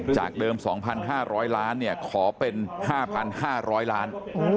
จากเดิม๒๕๐๐ล้านขอเป็น๕๕๐๐ล้าน